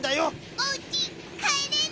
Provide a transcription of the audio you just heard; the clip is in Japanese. おうちかえれる？